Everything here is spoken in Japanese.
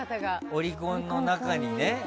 オリコンの中にね。